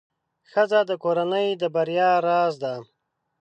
ښځه د کورنۍ د بریا راز ده.